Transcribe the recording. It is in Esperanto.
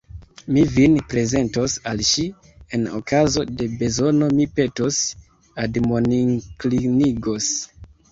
Mi vin prezentos al ŝi, en okazo de bezono mi petos, admoninklinigos.